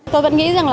tôi vẫn nghĩ rằng là